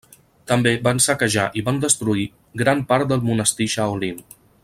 També van saquejar i van destruir gran part del monestir Shaolin.